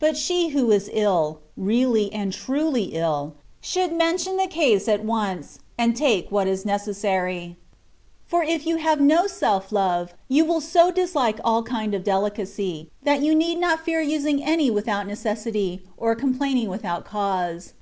But she who is ill — ^really and truly ill, should mention the case at once, and take what is necessary; for if you have no self love, you will so dislike all kind of delicacy, that you need not fear using any without necessity, or complaining without cause.